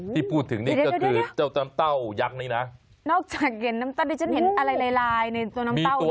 ที่พูดถึงนี่ก็คือเจ้าน้ำเต้ายักษ์นี้นะ